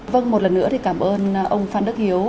vâng một lần nữa thì cảm ơn ông phan đức hiếu